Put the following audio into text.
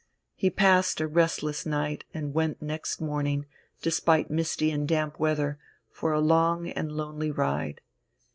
He passed a restless night and went next morning, despite misty and damp weather, for a long and lonely ride.